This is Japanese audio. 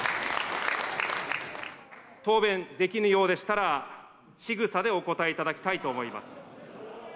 答弁できぬようでしたら、しぐさでお答えいただきたいと思います。